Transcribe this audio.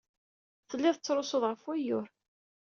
Telliḍ tettrusuḍ ɣef wayyur.